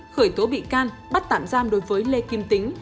khởi tố bị can bắt tạm giam đối với lê kim tính